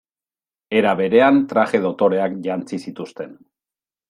Era berean, traje dotoreak jantzi zituzten.